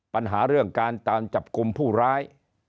ปัญหาเรื่องการตามจับกลุ่มผู้ร้าย